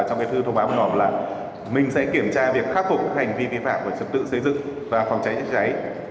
trong cái thư thông báo hồi hộp là mình sẽ kiểm tra việc khắc phục hành vi vi phạm của trực tự xây dựng và phòng cháy trựa cháy